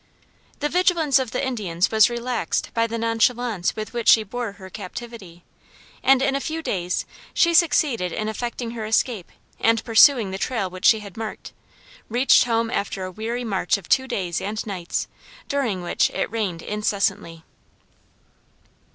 The vigilance of the Indians was relaxed by the nonchalance with which she bore her captivity, and in a few days she succeeded in effecting her escape and pursuing the trail which she had marked, reached home after a weary march of two days and nights, during which it rained incessantly.